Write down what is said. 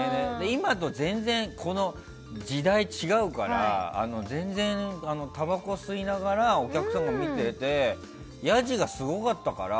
今と全然、時代が違うから全然、たばこ吸いながらお客さんが見ててヤジがすごかったから。